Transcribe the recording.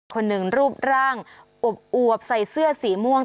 คนหนึ่งรูปร่างอวบใส่เสื้อสีม่วง